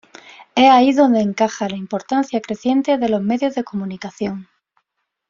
Es ahí donde encaja la importancia creciente de los medios de comunicación.